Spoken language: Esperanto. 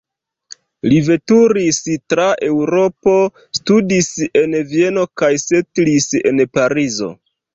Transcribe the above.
Li veturis tra Eŭropo, studis en Vieno kaj setlis en Parizo.